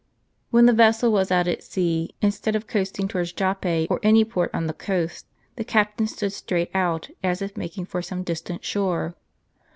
When the vessel was out at sea, instead of coasting towards Joppe or any port on the coast, the captain stood straight out, as if making for some distant shore.